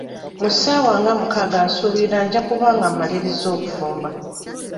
Mu ssaawa nga mukaaga nsuubira nja kuba nga mmalirizza okufumba.